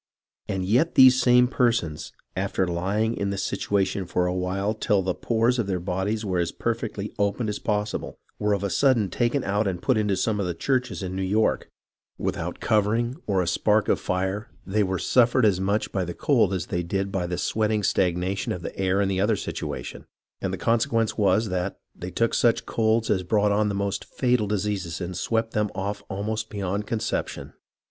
... And yet these same persons, after lying in this situation for a while till the pores of their bodies were as perfectly opened as pos sible, were of a sudden taken out and put into some of the churches in New York, without covering or a spark of fire, where they suffered as much by the cold as they did by the sweating stagnation of the air in the other situa tion ; and the consequence was, that they took such colds as brought on the most fatal diseases and swept them off almost beyond conception.